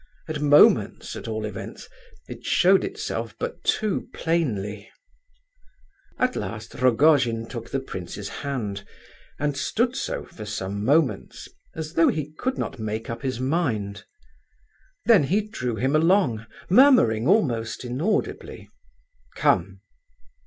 At moments, at all events, it showed itself but too plainly, At last Rogojin took the prince's hand, and stood so for some moments, as though he could not make up his mind. Then he drew him along, murmuring almost inaudibly, "Come!"